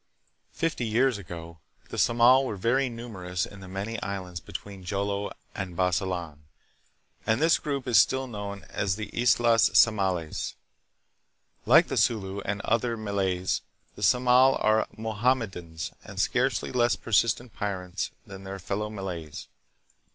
Fifty years ago the Samal were very numerous in the many islands between Jolo and Basilan, and this group is PROGRESS AND REVOLUTION. 1837 1897. 269 still known as the Islas Samales. Like the Sulu and other Malays, the Samal are Mohammedans, and scarcely less persistent pirates than their fellow Malays.